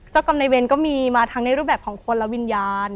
เจ้ากรรมในเวรก็มีมาทั้งในรูปแบบของคนและวิญญาณ